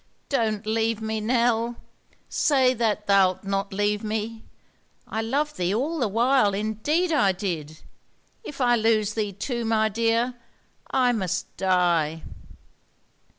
Don't leave me, Nell; say that thou'lt not leave me. I loved thee all the while, indeed I did. If I lose thee too, my dear, I must die!"